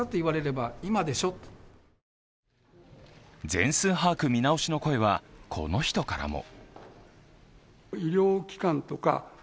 全数把握見直しの声はこの人からも。